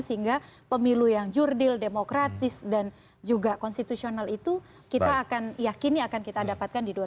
sehingga pemilu yang jurdil demokratis dan juga konstitusional itu kita akan yakini akan kita dapatkan di dua ribu dua puluh